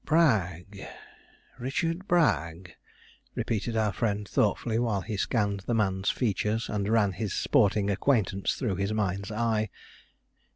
'Bragg Richard Bragg,' repeated our friend, thoughtfully, while he scanned the man's features, and ran his sporting acquaintance through his mind's eye.